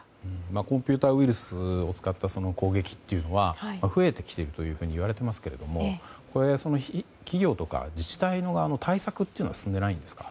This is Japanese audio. コンピューターウイルスを使った攻撃というのは増えてきているというふうに言われていますけども企業とか自治体の対策というのは進んでないんですか？